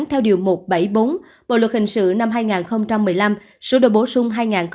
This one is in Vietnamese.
theo điều một trăm bảy mươi bốn bộ luật hình sự năm hai nghìn một mươi năm sửa đổi bổ sung hai nghìn một mươi bảy